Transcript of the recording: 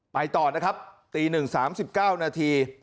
ไปต่อนะครับตี๑๓๙นาที